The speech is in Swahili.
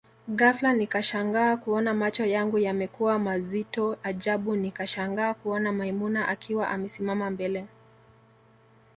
Ghafla nikashangaa kuona macho yangu yamekuwa mazito ajabu nikashangaa kuona maimuna akiwa amesimama mbele